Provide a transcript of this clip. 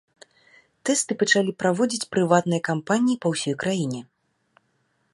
Тэсты пачалі праводзіць прыватныя кампаніі па ўсёй краіне.